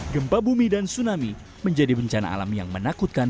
gempa bumi dan tsunami menjadi bencana alam yang menakutkan